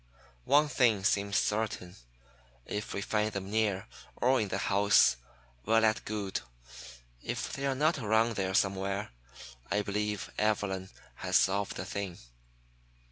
One thing seems certain, if we find them near, or in the house, well and good. If they are not around there somewhere, I believe Evelyn has solved the thing.